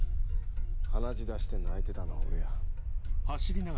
鼻血出して泣いてたのは俺や。